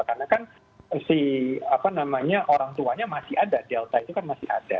karena kan orang tuanya masih ada delta itu kan masih ada